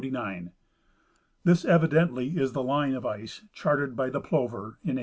This evidently is the line of ice charted by the Plover in 1849.